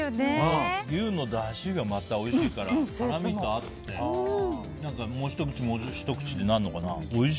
牛のだしがまたおいしいから辛みと合ってもうひと口、もうひと口ってなるのかな。